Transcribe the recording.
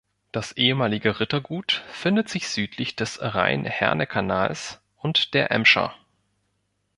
Das ehemalige Rittergut findet sich südlich des Rhein-Herne-Kanals und der Emscher.